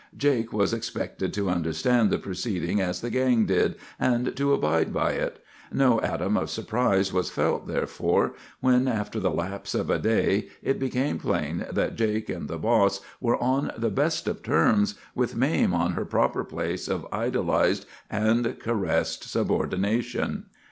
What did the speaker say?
Jake was expected to understand the proceeding as the gang did, and to abide by it. No atom of surprise was felt, therefore, when, after the lapse of a day, it became plain that Jake and the boss were on the best of terms, with Mame in her proper place of idolized and caressed subordination."